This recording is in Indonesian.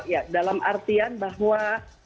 ya dalam artian bahwa